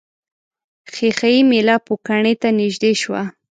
ښيښه یي میله پوکڼۍ ته نژدې شوه.